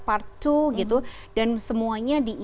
part dua gitu dan semuanya